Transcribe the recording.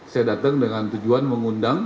saya datang dengan tujuan mengundang